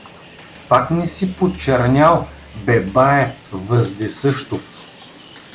— Пък не си почернял, бе бае Вездесъщов.